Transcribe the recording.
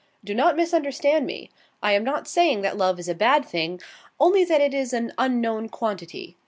Do not misunderstand me. I am not saying that love is a bad thing, only that it is an unknown quantity.